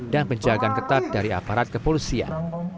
dan penjagaan ketat dari aparat kepolusian